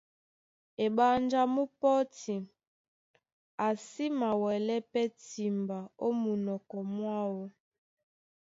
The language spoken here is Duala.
Eɓánjá mú pɔ́ti, a sí mawɛlɛ́ pɛ́ timba ó munɔkɔ mwáō,